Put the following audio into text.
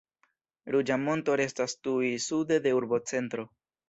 Ruĝa Monto restas tuj sude de urbocentro.